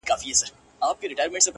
پر دغه روح خو الله اکبر نه دی په کار _